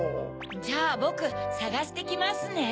じゃあぼくさがしてきますね。